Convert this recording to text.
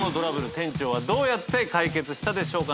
店長はどうやって解決したでしょうか？